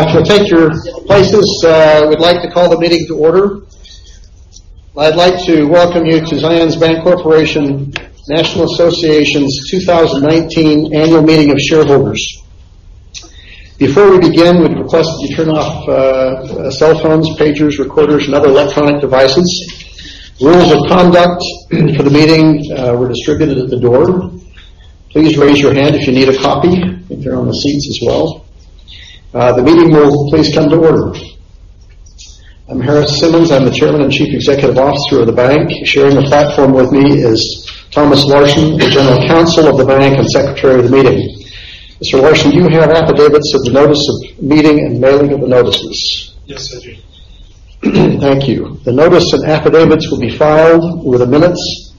If you'll take your places, we'd like to call the meeting to order. I'd like to welcome you to Zions Bancorporation, National Association's 2019 Annual Meeting of Shareholders. Before we begin, we'd request that you turn off cell phones, pagers, recorders, and other electronic devices. Rules of conduct for the meeting were distributed at the door. Please raise your hand if you need a copy. I think they're on the seats as well. The meeting will please come to order. I'm Harris Simmons. I'm the Chairman and Chief Executive Officer of the bank. Sharing the platform with me is Thomas Laursen, the General Counsel of the bank and Secretary of the meeting. Mr. Laursen, do you have affidavits of the notice of meeting and mailing of the notices? Yes, I do. Thank you. The notice and affidavits will be filed with the minutes.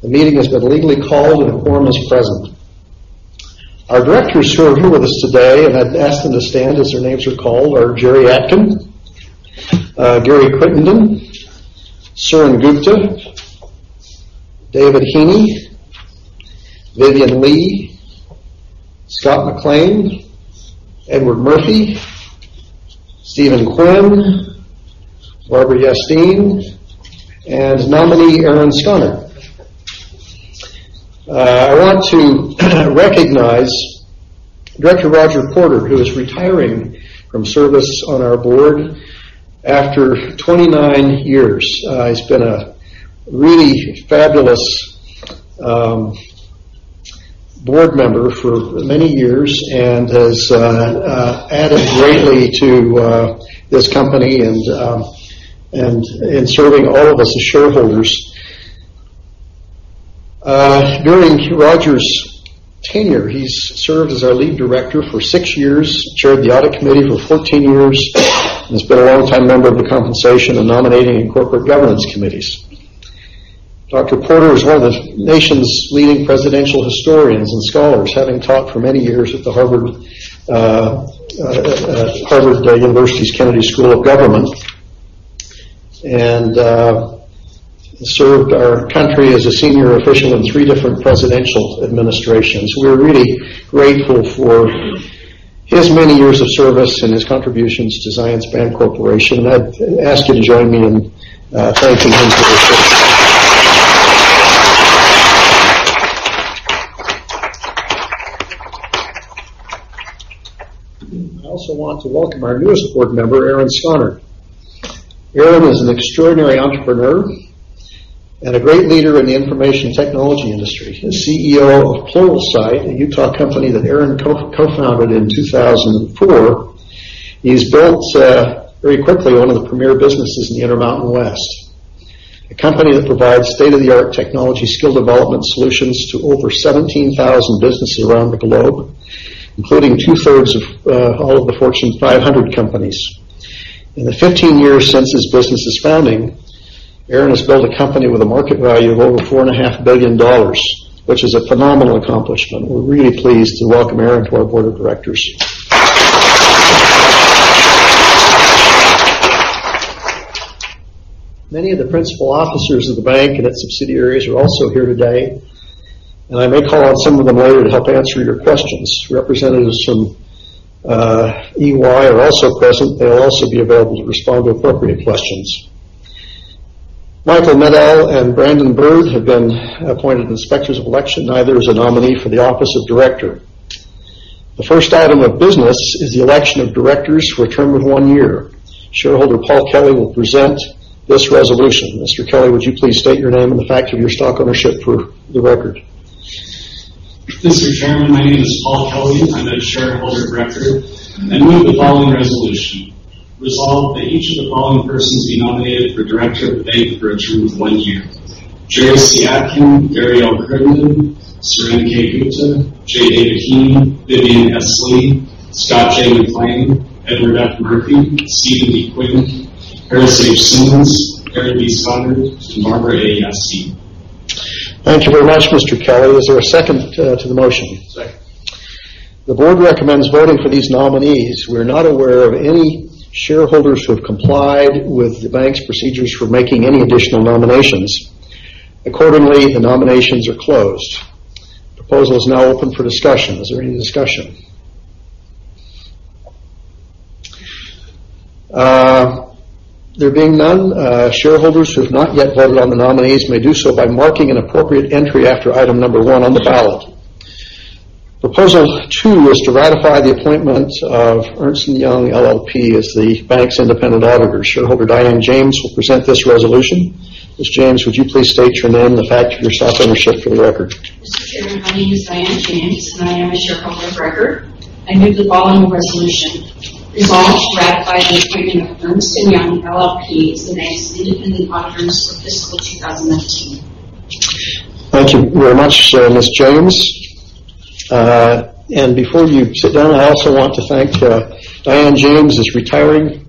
The meeting has been legally called and a quorum is present. Our directors who are here with us today, and I'd ask them to stand as their names are called, are Jerry Atkin, Gary Crittenden, Suren Gupta, David Heaney, Vivian Lee, Scott McLean, Edward Murphy, Stephen Quinn, Barbara Yassine, and nominee Aaron Skonnard. I want to recognize Director Roger Porter, who is retiring from service on our board after 29 years. He's been a really fabulous board member for many years, and has added greatly to this company and in serving all of us as shareholders. During Roger's tenure, he's served as our Lead Director for 6 years, chaired the Audit Committee for 14 years, and has been a longtime member of the Compensation and Nominating and Corporate Governance Committees. Dr. Porter is one of the nation's leading presidential historians and scholars, having taught for many years at Harvard University's Kennedy School of Government and served our country as a senior official in 3 different presidential administrations. We're really grateful for his many years of service and his contributions to Zions Bancorporation, and I'd ask you to join me in thanking him for his service. I also want to welcome our newest board member, Aaron Skonnard. Aaron is an extraordinary entrepreneur and a great leader in the information technology industry. He's CEO of Pluralsight, a Utah company that Aaron co-founded in 2004. He's built, very quickly, one of the premier businesses in the Intermountain West. A company that provides state-of-the-art technology skill development solutions to over 17,000 businesses around the globe, including two-thirds of all of the Fortune 500 companies. In the 15 years since this business' founding, Aaron has built a company with a market value of over four and a half billion dollars, which is a phenomenal accomplishment. We're really pleased to welcome Aaron to our board of directors. Many of the principal officers of the bank and its subsidiaries are also here today. I may call on some of them later to help answer your questions. Representatives from EY are also present. They'll also be available to respond to appropriate questions. Michael Medow and Brandon Bird have been appointed Inspectors of Election. Neither is a nominee for the office of Director. The first item of business is the election of directors for a term of one year. Shareholder Paul Kelly will present this resolution. Mr. Kelly, would you please state your name and the fact of your stock ownership for the record? Mr. Chairman, my name is Paul Kelly. I'm a shareholder director. I move the following resolution. Resolve that each of the following persons be nominated for director of the bank for a term of one year: Jerry C. Atkin, Gary L. Crittenden, Suren K. Gupta, J. David Heaney, Vivian S. Lee, Scott J. McLean, Edward F. Murphy, Stephen E. Quinn, Harris H. Simmons, Aaron B. Skonnard, and Barbara A. Yassine. Thank you very much, Mr. Kelly. Is there a second to the motion? Second. The board recommends voting for these nominees. We're not aware of any shareholders who have complied with the bank's procedures for making any additional nominations. Accordingly, the nominations are closed. Proposal is now open for discussion. Is there any discussion? There being none, shareholders who have not yet voted on the nominees may do so by marking an appropriate entry after item number one on the ballot. Proposal two is to ratify the appointment of Ernst & Young LLP as the bank's independent auditors. Shareholder Diane James will present this resolution. Ms. James, would you please state your name and the fact of your stock ownership for the record? Mr. Chairman, my name is Diane James, I am a shareholder director. I move the following resolution. Resolve to ratify the appointment of Ernst & Young LLP as the bank's independent auditors for fiscal 2019. Thank you very much, Ms. James. Before you sit down, I also want to thank Diane James is retiring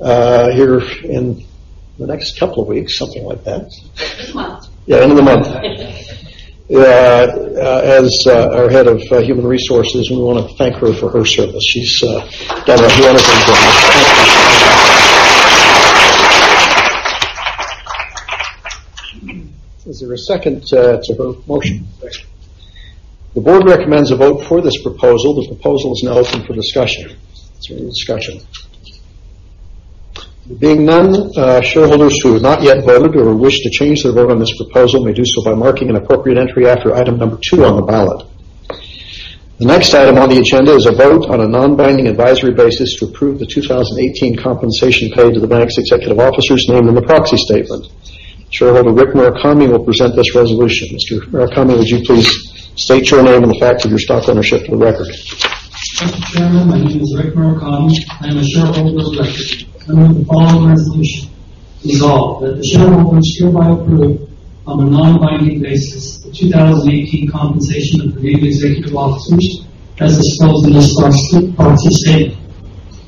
here in the next couple of weeks, something like that. End of the month. Yeah, end of the month. As our Head of Human Resources, we want to thank her for her service. She's done a wonderful job. Is there a second to vote motion? Second. The board recommends a vote for this proposal. The proposal is now open for discussion. Is there any discussion? There being none, shareholders who have not yet voted or wish to change their vote on this proposal may do so by marking an appropriate entry after item number 2 on the ballot. The next item on the agenda is a vote on a non-binding advisory basis to approve the 2018 compensation paid to the bank's executive officers named in the proxy statement. Shareholder Rick Maracami will present this resolution. Mr. Maracami, would you please state your name and the fact of your stock ownership for the record? Mr. Chairman, my name is Rick Maracami. I am a shareholder of record. I move the following resolution: resolved that the shareholders hereby approve on a non-binding basis the 2018 compensation of the named executive officers as disclosed in this proxy statement.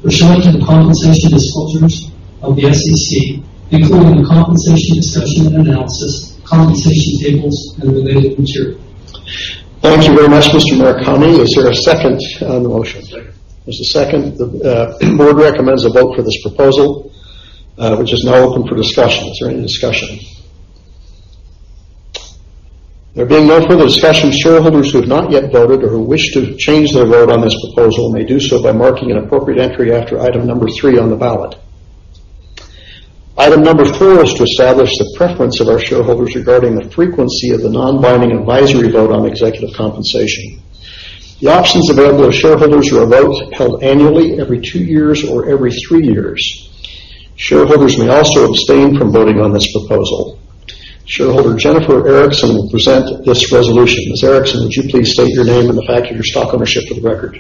Reflections and compensation disclosures of the SEC, including the compensation discussion and analysis, compensation tables, and related material. Thank you very much, Mr. Maracami. Is there a second on the motion? Second. There's a second. The board recommends a vote for this proposal, which is now open for discussion. Is there any discussion? There being no further discussion, shareholders who have not yet voted or who wish to change their vote on this proposal may do so by marking an appropriate entry after item number 3 on the ballot. Item number 4 is to establish the preference of our shareholders regarding the frequency of the non-binding advisory vote on executive compensation. The options available to shareholders are a vote held annually every two years or every three years. Shareholders may also abstain from voting on this proposal. Shareholder Jennifer Erickson will present this resolution. Ms. Erickson, would you please state your name and the fact of your stock ownership for the record?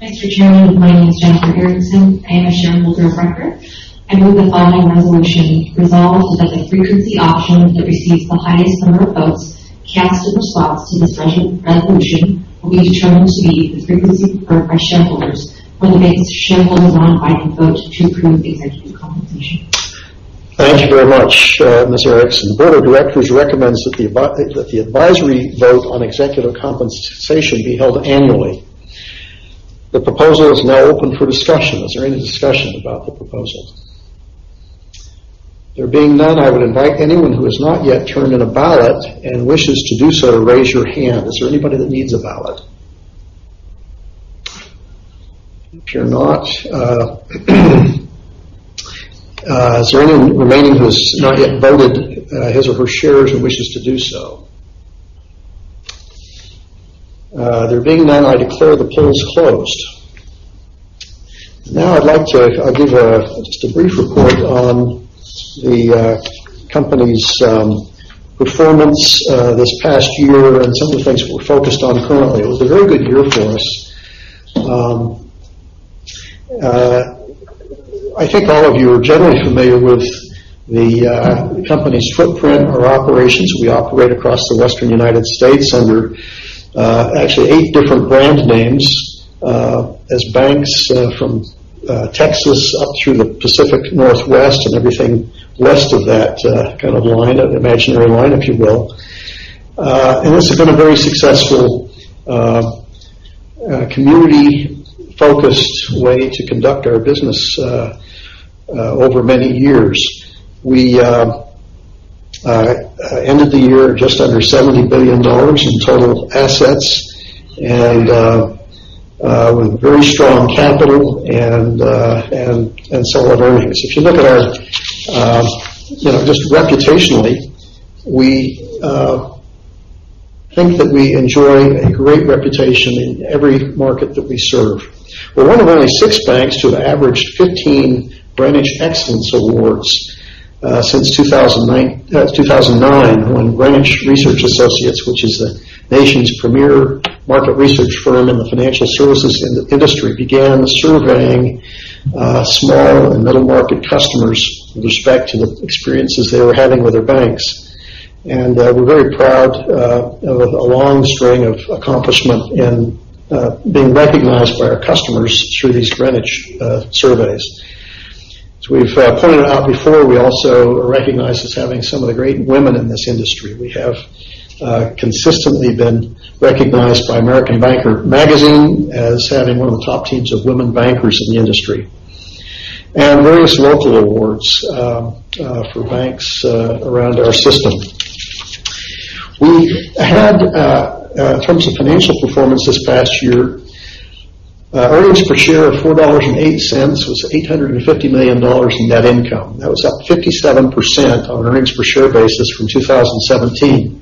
Mr. Chairman, my name is Jennifer Erickson. I am a shareholder of record. I move the following resolution: resolved that the frequency option that receives the highest number of votes cast in response to this resolution will be determined to be the frequency preferred by shareholders for the bank's shareholders non-binding vote to approve executive compensation. Thank you very much, Ms. Erickson. The board of directors recommends that the advisory vote on executive compensation be held annually. The proposal is now open for discussion. Is there any discussion about the proposal? There being none, I would invite anyone who has not yet turned in a ballot and wishes to do so to raise your hand. Is there anybody that needs a ballot? If you're not is there anyone remaining who has not yet voted his or her shares and wishes to do so? There being none, I declare the polls closed. I'd like to give just a brief report on the company's performance this past year and some of the things we're focused on currently. It was a very good year for us. I think all of you are generally familiar with the company's footprint or operations. We operate across the Western United States under actually eight different brand names, as banks from Texas up through the Pacific Northwest and everything west of that kind of line, an imaginary line, if you will. This has been a very successful community-focused way to conduct our business over many years. We ended the year just under $70 billion in total assets and with very strong capital and solid earnings. If you look at just reputationally, we think that we enjoy a great reputation in every market that we serve. We're one of only six banks to have averaged 15 Greenwich Excellence Awards since 2009, when Barlow Research Associates, which is the nation's premier market research firm in the financial services industry, began surveying small and middle-market customers with respect to the experiences they were having with their banks. We're very proud of a long string of accomplishment in being recognized by our customers through these branch surveys. As we've pointed out before, we also are recognized as having some of the great women in this industry. We have consistently been recognized by American Banker as having one of the top teams of women bankers in the industry and various local awards for banks around our system. In terms of financial performance this past year, earnings per share of $4.08 was $850 million in net income. That was up 57% on an earnings per share basis from 2017.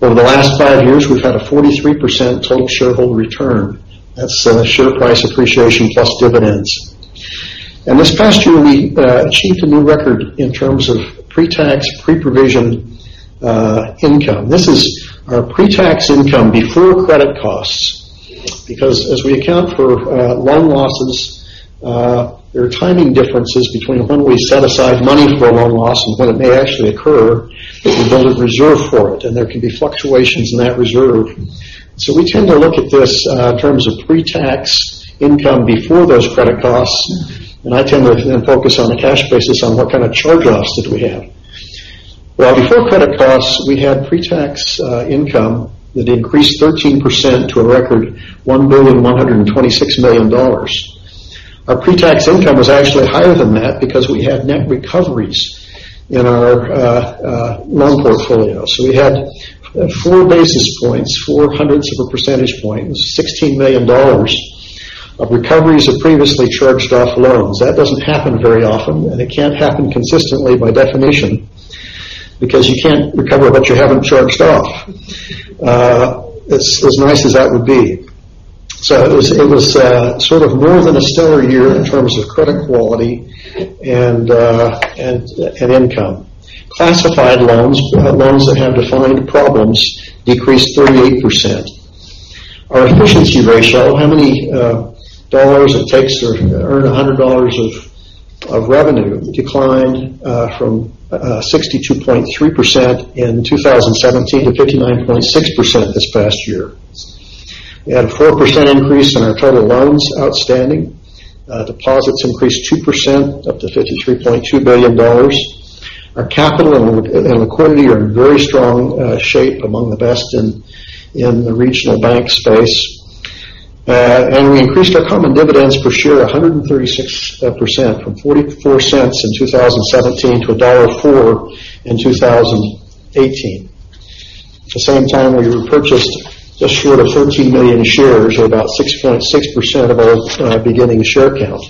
Over the last five years, we've had a 43% total shareholder return. That's share price appreciation plus dividends. This past year, we achieved a new record in terms of pre-tax, pre-provision income. This is our pre-tax income before credit costs. Because as we account for loan losses, there are timing differences between when we set aside money for a loan loss and when it may actually occur, but we build a reserve for it, and there can be fluctuations in that reserve. We tend to look at this in terms of pre-tax income before those credit costs, and I tend to then focus on a cash basis on what kind of charge-offs did we have. Before credit costs, we had pre-tax income that increased 13% to a record $1.126 billion. Our pre-tax income was actually higher than that because we had net recoveries in our loan portfolio. We had four basis points, four hundredths of a percentage point, and $16 million of recoveries of previously charged-off loans. That doesn't happen very often, and it can't happen consistently by definition, because you can't recover what you haven't charged off, as nice as that would be. It was more than a stellar year in terms of credit quality and income. Classified loans that have defined problems, decreased 38%. Our efficiency ratio, how many dollars it takes to earn $100 of revenue, declined from 62.3% in 2017 to 59.6% this past year. We had a 4% increase in our total loans outstanding. Deposits increased 2%, up to $53.2 billion. Our capital and liquidity are in very strong shape, among the best in the regional bank space. We increased our common dividends per share 136%, from $0.44 in 2017 to $1.04 in 2018. At the same time, we repurchased just short of 13 million shares, or about 6.6% of our beginning share count.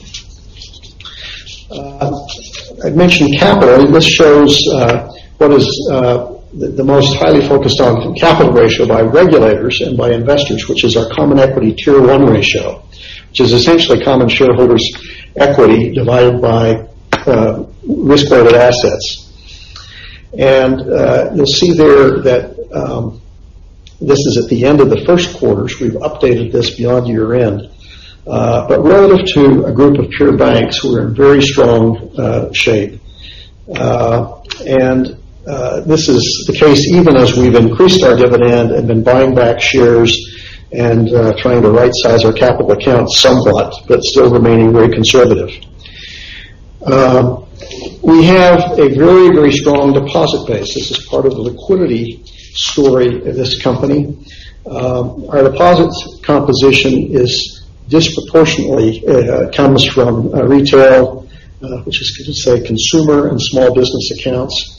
I mentioned capital, this shows what is the most highly focused on capital ratio by regulators and by investors, which is our Common Equity Tier 1 ratio, which is essentially common shareholders' equity divided by risk-weighted assets. You'll see there that this is at the end of the first quarter, we've updated this beyond year-end. Relative to a group of peer banks, we're in very strong shape. This is the case even as we've increased our dividend and been buying back shares and trying to rightsize our capital accounts somewhat, still remaining very conservative. We have a very strong deposit base. This is part of the liquidity story of this company. Our deposits composition disproportionately comes from retail, which is to say consumer and small business accounts.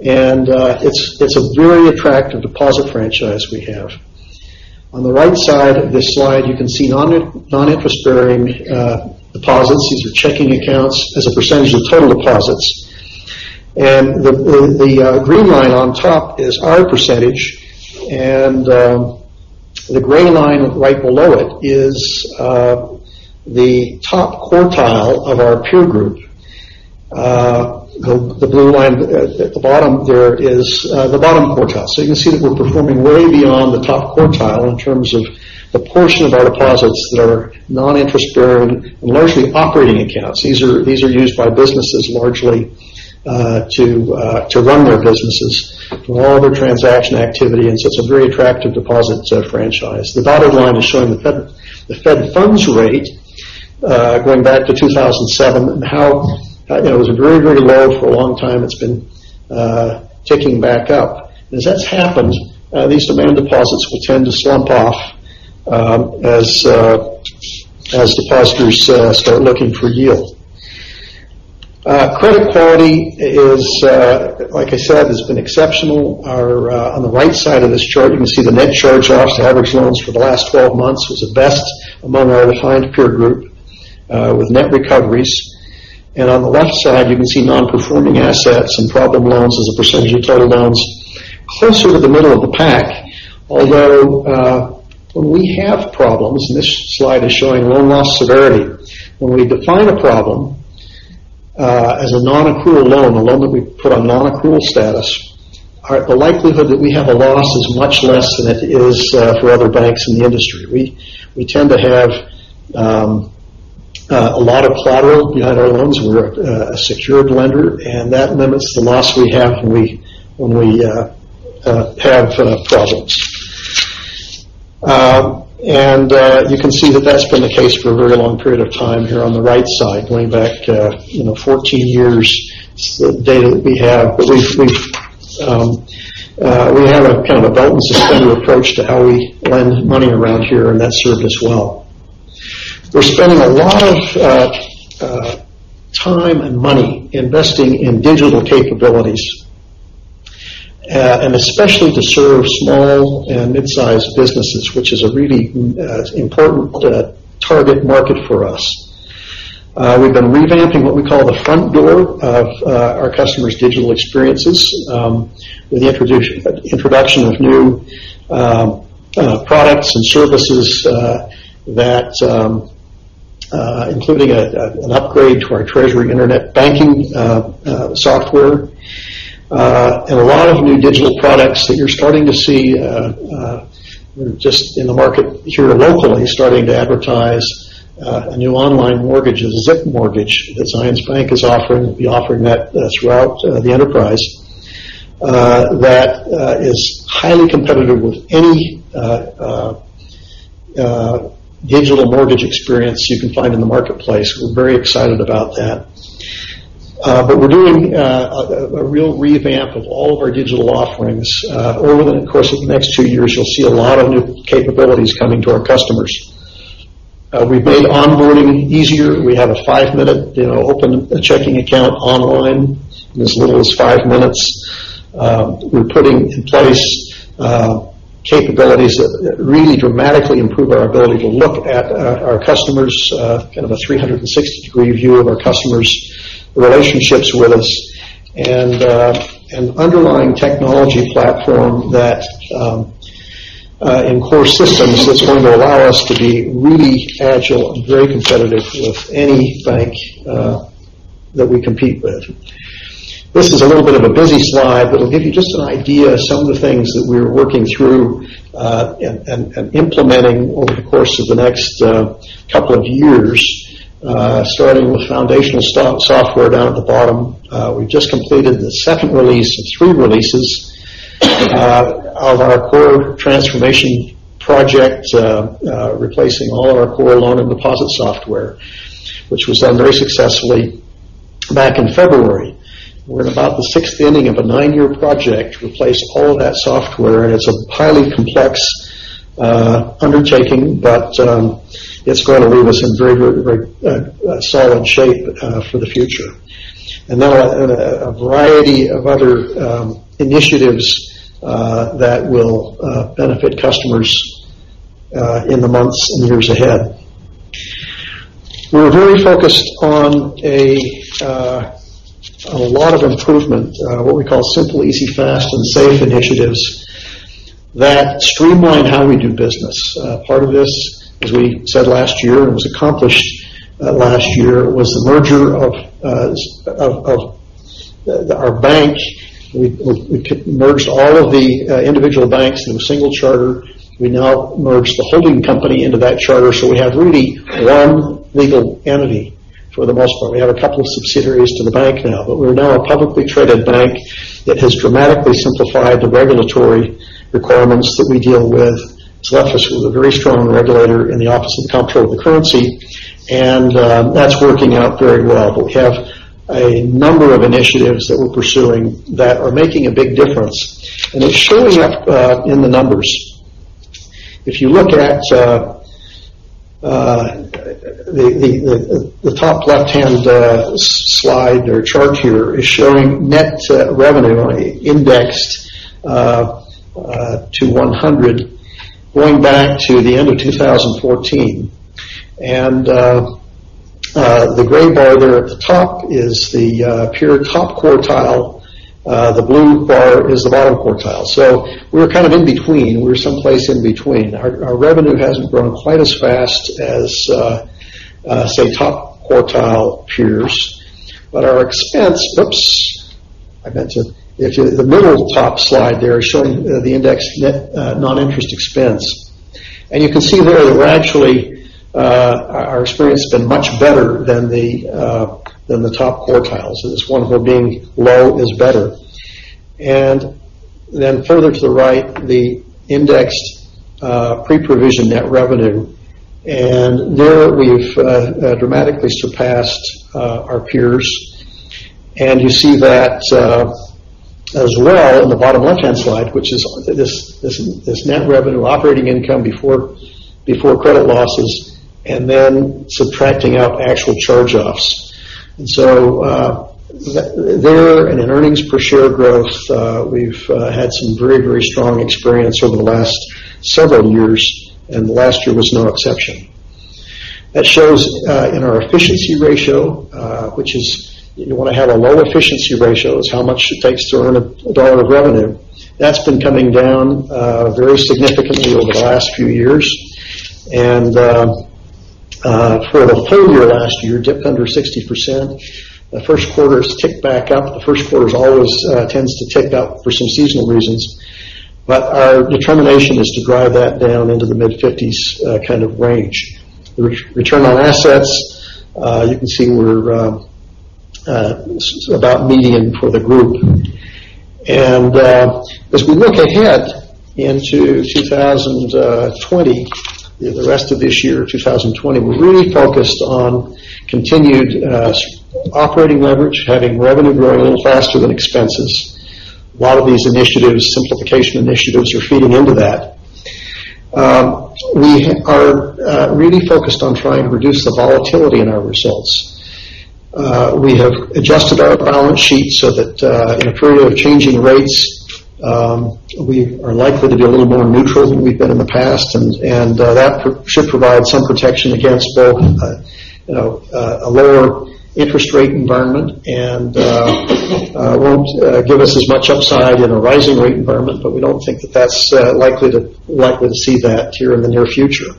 It's a very attractive deposit franchise we have. On the right side of this slide, you can see non-interest-bearing deposits. These are checking accounts as a percentage of total deposits. The green line on top is our percentage, the gray line right below it is the top quartile of our peer group. The blue line at the bottom there is the bottom quartile. You can see that we're performing way beyond the top quartile in terms of the portion of our deposits that are non-interest-bearing and largely operating accounts. These are used by businesses largely to run their businesses for all their transaction activity, it's a very attractive deposit franchise. The bottom line is showing the fed funds rate going back to 2007 and how it was very low for a long time. It's been ticking back up. As that's happened, these demand deposits will tend to slump off as depositors start looking for yield. Credit quality, like I said, has been exceptional. On the right side of this chart, you can see the net charge-offs to average loans for the last 12 months was the best among our defined peer group with net recoveries. On the left side, you can see non-performing assets and problem loans as a percentage of total loans. Closer to the middle of the pack, although when we have problems, and this slide is showing loan loss severity. When we define a problem as a non-accrual loan, a loan that we put on non-accrual status, the likelihood that we have a loss is much less than it is for other banks in the industry. We tend to have a lot of collateral behind our loans. We're a secured lender, and that limits the loss we have when we have problems. You can see that that's been the case for a very long period of time here on the right side, going back to 14 years, the data that we have. We have a kind of a belt-and-suspender approach to how we lend money around here, and that's served us well. We're spending a lot of time and money investing in digital capabilities, especially to serve small and mid-sized businesses, which is a really important target market for us. We've been revamping what we call the front door of our customers' digital experiences, with the introduction of new products and services, including an upgrade to our Treasury Internet Banking software. A lot of new digital products that you're starting to see just in the market here locally, starting to advertise a new online mortgage, a Zip Mortgage that Zions Bank is offering. We'll be offering that throughout the enterprise. That is highly competitive with any digital mortgage experience you can find in the marketplace. We're very excited about that. We're doing a real revamp of all of our digital offerings. Over the course of the next two years, you'll see a lot of new capabilities coming to our customers. We've made onboarding easier. We have a five-minute open a checking account online in as little as five minutes. We're putting in place capabilities that really dramatically improve our ability to look at our customers, kind of a 360-degree view of our customers' relationships with us. An underlying technology platform and core systems that's going to allow us to be really agile and very competitive with any bank that we compete with. This is a little bit of a busy slide, but it'll give you just an idea of some of the things that we're working through, and implementing over the course of the next couple of years. Starting with foundational software down at the bottom. We've just completed the second release of three releases of our Core Transformation Project, replacing all of our core loan and deposit software, which was done very successfully back in February. We're in about the sixth inning of a nine-year project to replace all of that software, and it's a highly complex undertaking. It's going to leave us in very solid shape for the future. A variety of other initiatives that will benefit customers in the months and years ahead. We're very focused on a lot of improvement, what we call simple, easy, fast, and safe initiatives that streamline how we do business. Part of this, as we said last year and was accomplished last year, was the merger of our bank. We merged all of the individual banks into a single charter. We now merged the holding company into that charter, so we have really one legal entity for the most part. We have a couple of subsidiaries to the bank now, but we're now a publicly traded bank that has dramatically simplified the regulatory requirements that we deal with. It's left us with a very strong regulator in the Office of the Comptroller of the Currency. That's working out very well. We have a number of initiatives that we're pursuing that are making a big difference. It's showing up in the numbers. If you look at the top left-hand slide or chart here is showing net revenue indexed to 100, going back to the end of 2014. The gray bar there at the top is the pure top quartile. The blue bar is the bottom quartile. We're kind of in between. We're someplace in between. Our revenue hasn't grown quite as fast as, say, top quartile peers. The middle top slide there is showing the index non-interest expense. You can see there that gradually, our experience has been much better than the top quartiles. So this is one where being low is better. Further to the right, the indexed pre-provision net revenue. There we've dramatically surpassed our peers. You see that as well in the bottom left-hand slide, which is this net revenue operating income before credit losses, subtracting out actual charge-offs. There and in earnings per share growth, we've had some very strong experience over the last several years. The last year was no exception. That shows in our efficiency ratio, which is you want to have a low efficiency ratio. It's how much it takes to earn $1 of revenue. That has been coming down very significantly over the last few years. For the full year last year, dipped under 60%. The first quarter is ticked back up. The first quarter always tends to tick up for some seasonal reasons. Our determination is to drive that down into the mid-fifties kind of range. The return on assets, you can see we're about median for the group. As we look ahead into 2020, the rest of this year, 2020, we're really focused on continued operating leverage, having revenue grow a little faster than expenses. A lot of these initiatives, simplification initiatives, are feeding into that. We are really focused on trying to reduce the volatility in our results. We have adjusted our balance sheet so that in a period of changing rates, we are likely to be a little more neutral than we've been in the past. That should provide some protection against both a lower interest rate environment and won't give us as much upside in a rising rate environment. We don't think that that's likely to see that here in the near future.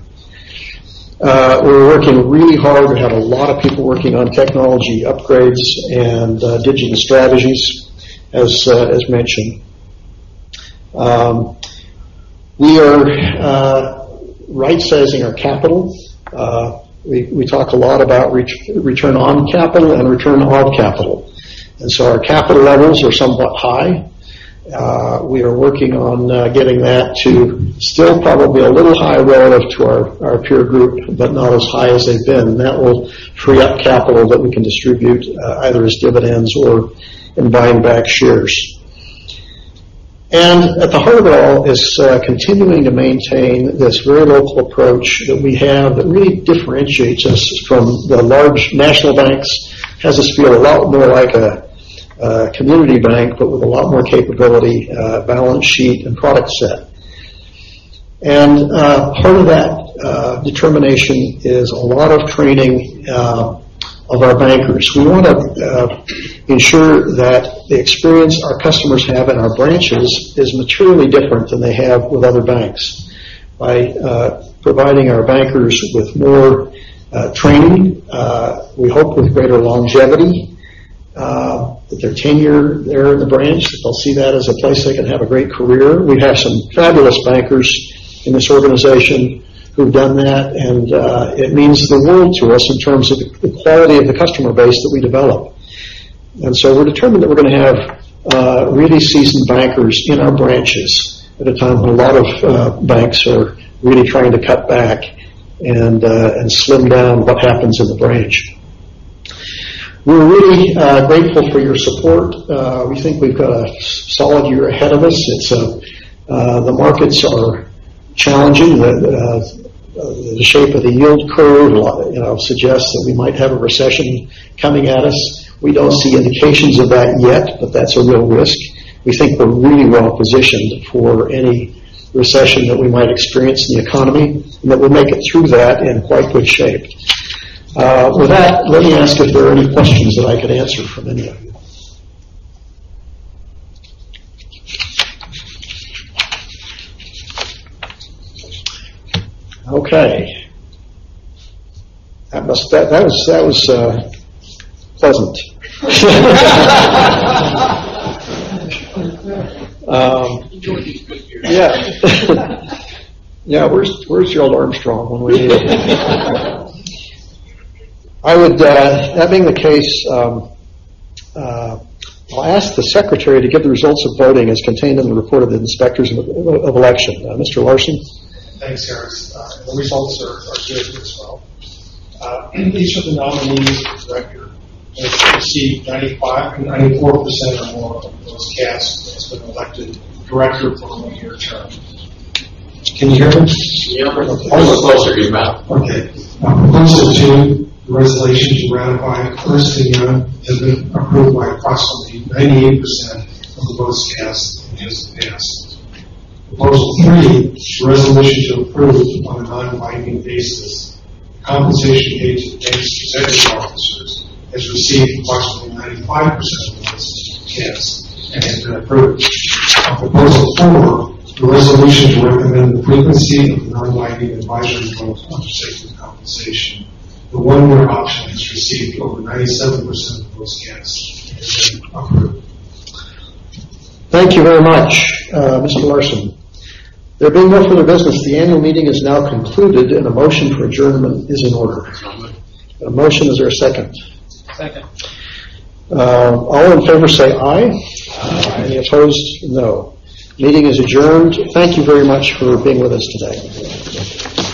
We're working really hard. We have a lot of people working on technology upgrades and digital strategies, as mentioned. We are right-sizing our capital. We talk a lot about return on capital and return of capital. Our capital levels are somewhat high. We are working on getting that to still probably a little high relative to our peer group, but not as high as they've been. That will free up capital that we can distribute either as dividends or in buying back shares. At the heart of it all is continuing to maintain this very local approach that we have that really differentiates us from the large national banks, has us feel a lot more like a community bank, but with a lot more capability, balance sheet, and product set. Part of that determination is a lot of training of our bankers. We want to ensure that the experience our customers have in our branches is materially different than they have with other banks. By providing our bankers with more training, we hope with greater longevity, that their tenure there in the branch, that they'll see that as a place they can have a great career. We have some fabulous bankers in this organization who've done that, and it means the world to us in terms of the quality of the customer base that we develop. We're determined that we're going to have really seasoned bankers in our branches at a time when a lot of banks are really trying to cut back and slim down what happens in the branch. We're really grateful for your support. We think we've got a solid year ahead of us. The markets are challenging. The shape of the yield curve suggests that we might have a recession coming at us. We don't see indications of that yet, but that's a real risk. We think we're really well-positioned for any recession that we might experience in the economy, and that we'll make it through that in quite good shape. With that, let me ask if there are any questions that I could answer from any of you. Okay. That was pleasant. Enjoy these good years. Yeah. Yeah, where's Gerald Armstrong when we need him? That being the case, I'll ask the secretary to give the results of voting as contained in the report of the Inspectors of Election. Mr. Laursen? Thanks, Harris. The results are good as well. Each of the nominees for director has received 94% or more of the votes cast, has been elected director for a one-year term. Can you hear me? We can hear but come a little closer to your mouth. Okay. Proposal two, the resolution to ratify Scott J. McLean has been approved by approximately 98% of the votes cast and has passed. Proposal three, the resolution to approve, on a non-binding basis, the compensation paid to the bank's executive officers, has received approximately 95% of the votes cast and has been approved. Proposal four, the resolution to recommend the frequency of the non-binding advisory votes on executive compensation. The one-year option has received over 97% of the votes cast and has been approved. Thank you very much, Mr. Laursen. There being no further business, the annual meeting is now concluded and a motion for adjournment is in order. Moved. A motion, is there a second? Second. All in favor say aye. Aye. Any opposed, no. Meeting is adjourned. Thank you very much for being with us today.